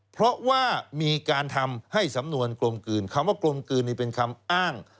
เพราะว่ามีการทำให้สำนวนกลมกลืนคำว่ากลมกลืนนี่เป็นคำอ้าง